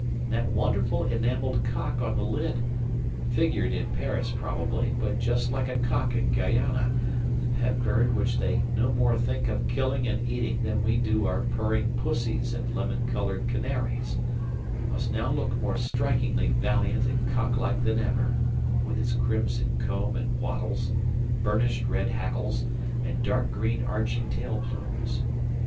And that wonderful enamelled cock on the lid figured in Paris probably, but just like a cock in Guayana, the pet bird which they no more think of killing and eating than we do our purring pussies and lemon coloured canaries must now look more strikingly valiant and cock like than ever, with its crimson comb and wattles, burnished red hackles, and dark green arching tail plumes.